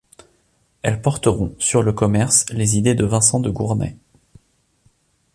Elles porteront, sur le commerce les idées de Vincent de Gournay.